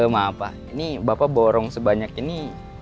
maaf pak ini bapak borong sebanyak ini